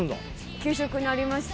給食にありました。